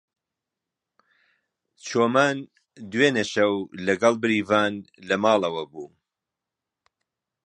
چۆمان دوێنێ شەو لەگەڵ بێریڤان لە ماڵەوە بوو.